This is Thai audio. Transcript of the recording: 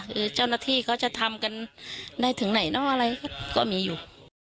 คือเจ้าหน้าที่เขาจะทำกันได้ถึงไหนเนอะอะไรก็มีอยู่